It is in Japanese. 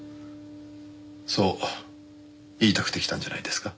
そう言いたくて来たんじゃないんですか？